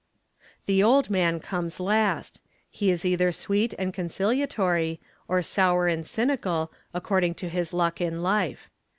The old man comes last; he is either sweet and conciliatory, or sou and cynical, according to his luck in life.